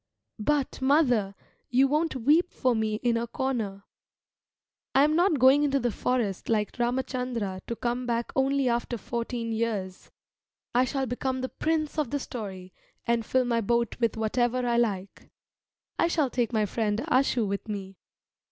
But, mother, you won't weep for me in a corner. I am not going into the forest like Ramachandra to come back only after fourteen years. I shall become the prince of the story, and fill my boat with whatever I like. I shall take my friend Ashu with me.